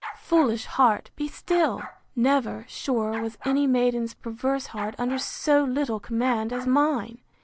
—Foolish heart! be still! Never, sure, was any maiden's perverse heart under so little command as mine!